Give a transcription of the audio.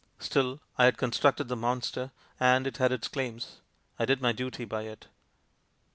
Still I had constructed the monster, and it had its claims. I did my duty by it.